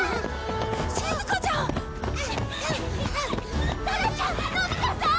しずかちゃん！ドラちゃんのび太さん！